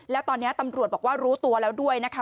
แล้วตอนนี้ตำรวจบอกว่ารู้ตัวแล้วด้วยนะคะ